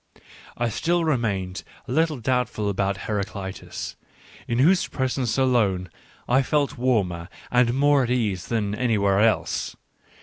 I still remained a little doubtful about Heraclitus, in whose presence, alone, I felt warmer and more at ease than anywhere else.